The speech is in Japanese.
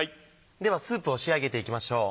ではスープを仕上げていきましょう。